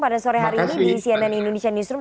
pada sore hari ini di cnn indonesia newsroom